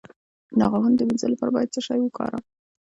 د غاښونو د مینځلو لپاره باید څه شی وکاروم؟